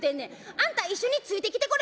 「あんた一緒についてきてくれまっか？」。